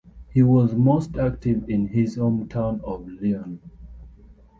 He was most active in his hometown of Lyon.